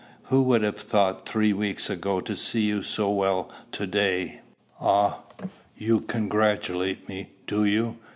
Who would have thought three weeks ago to see you so well to day?" "Ah! you congratulate me, do you?"